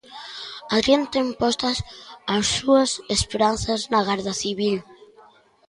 Adrián ten postas as súas esperanzas na Garda Civil.